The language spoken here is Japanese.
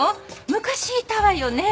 昔いたわよね。